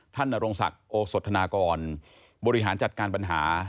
นรงศักดิ์โอสธนากรบริหารจัดการปัญหา